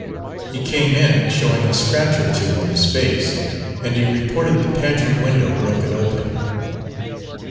He came in showing a scratch or two on his face, and he reported the pantry window broken open.